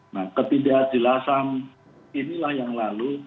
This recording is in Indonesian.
nah ketidakjelasan inilah yang lalu